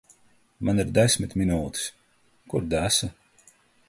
Man ir desmit minūtes. Kur desa?